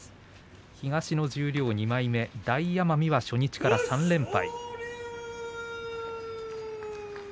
東十両の２枚目大奄美、初日から３連敗。